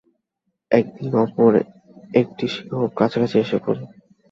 একদিন অপর একটি সিংহ কাছাকাছি এসে পড়ে।